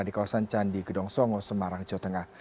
di kawasan candi gedong songo semarang jawa tengah